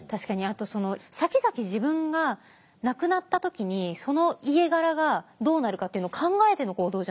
あとさきざき自分が亡くなった時にその家柄がどうなるかっていうのを考えての行動じゃないですか。